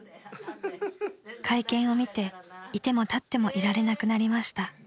［会見を見て居ても立ってもいられなくなりました］